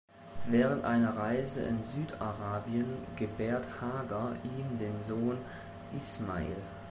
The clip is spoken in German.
Während einer Reise in Südarabien gebärt Hagar ihm den Sohn Ismael.